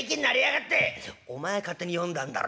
「お前が勝手に呼んだんだろ。